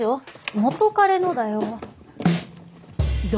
元カレのだよ。